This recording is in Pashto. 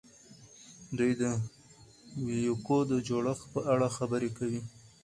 دوی د وییکو د جوړښت په اړه خبرې کوي.